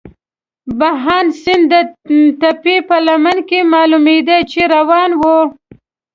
بهاند سیند د تپې په لمن کې معلومېده، چې روان وو.